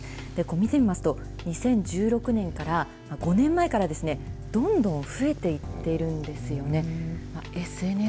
見てみますと、２０１６年から５年前からどんどん増えていってるんですよね。